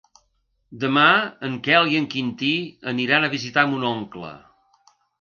Demà en Quel i en Quintí aniran a visitar mon oncle.